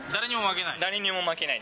誰にも負けない？